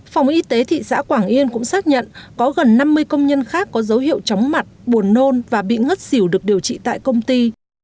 phòng y tế thị xã quảng yên cũng xác nhận có gần năm mươi công nhân khác có dấu hiệu chóng mặt buồn nôn và bị ngất xỉu được điều trị tại công ty